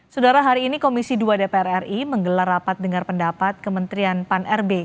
saudara hari ini komisi dua dpr ri menggelar rapat dengar pendapat kementerian pan rb